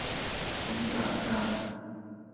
雷劈石山摩崖的历史年代为明代。